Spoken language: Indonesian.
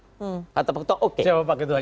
siapa pak ketuanya